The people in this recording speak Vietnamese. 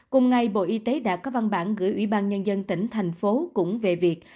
cùng ngày bộ y tế đã có văn bản gửi ủy ban nhân dân tỉnh thành phố cũng về việc